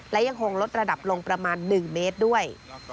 และยังคงลดระดับลงประมาณ๑เมตรด้วย